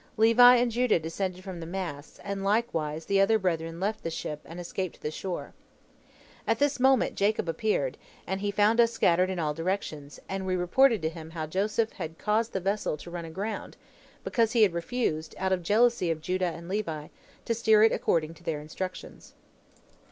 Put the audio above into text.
Levi and Judah descended from the masts, and likewise the other brethren left the ship and escaped to the shore. At this moment Jacob appeared, and he found us scattered in all directions, and we reported to him how Joseph had caused the vessel to run aground, because he had refused, out of jealousy of Judah and Levi, to steer it according to their instructions.